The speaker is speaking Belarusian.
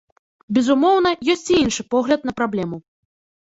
Безумоўна, ёсць і іншы погляд на праблему.